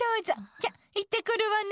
じゃあ行ってくるわね。